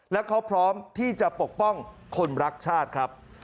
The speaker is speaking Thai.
และเขาพร้อมที่จะปกป้องคนรักชาติครับ